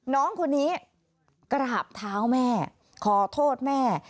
น้องคนนี้กราบเท้าแม่ขอโทษแม่